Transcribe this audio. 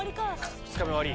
２日目、終わり。